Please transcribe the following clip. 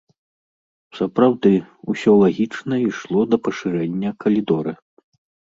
Сапраўды, усё лагічна ішло да пашырэння калідора.